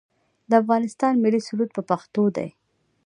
د افغانستان ملي سرود په پښتو دی